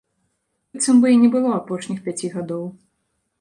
Быццам бы і не было апошніх пяці гадоў.